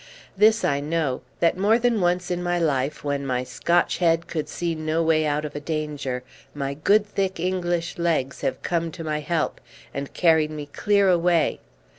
This I know, that more than once in my life, when my Scotch head could see no way out of a danger, my good thick English legs have come to my help, and carried me clear away.